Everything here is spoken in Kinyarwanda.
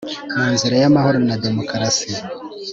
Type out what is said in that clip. mu nzira y amahoro na demokarasi